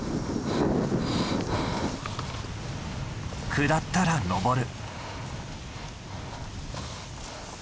下ったら登る。